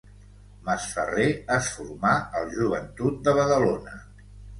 Masferrer es formà al Joventut de Badalona.